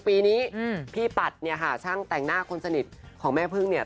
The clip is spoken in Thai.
ปีนี้พี่ปัดเนี่ยค่ะช่างแต่งหน้าคนสนิทของแม่พึ่งเนี่ย